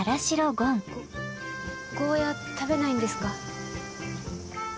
ゴンゴゴーヤ食べないんですか？